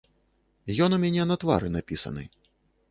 Ён ў мяне на твары напісаны.